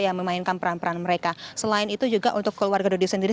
yang memainkan peran peran mereka selain itu juga untuk keluarga dodi sendiri